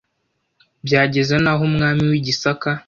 Byageza n’aho umwami w’i Gisaka,